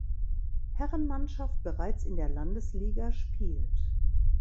Herrenmannschaft bereits in der Landesliga spielt.